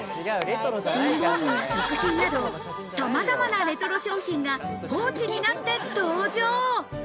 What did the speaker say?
文房具や食品など、様々なレトロ商品がポーチになって登場。